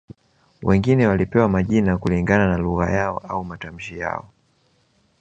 Wengine walipewa majina kulingana na lugha yao au matamshi yao